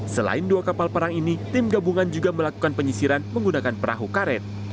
selain dua kapal perang ini tim gabungan juga melakukan penyisiran menggunakan perahu karet